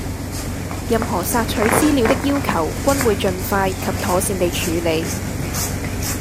任何索取資料的要求均會盡快及妥善地處理